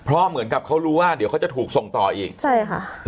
เพราะเหมือนกับเขารู้ว่าเดี๋ยวเขาจะถูกส่งต่ออีกใช่ค่ะ